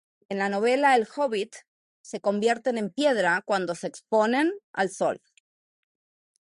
En la novela "El hobbit" se convierten en piedra cuando se exponen al Sol.